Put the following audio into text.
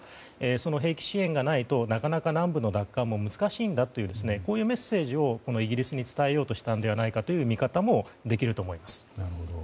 その兵器支援がないとなかなか南部の奪還も難しいんだというこういうメッセージをイギリスに伝えようとしたのではないかという見方もできると思います。